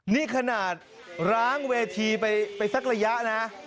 นี่ขนาดล้างเวทีไปสักระยะนะ